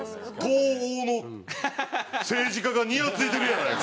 東欧の政治家がニヤついてるやないか。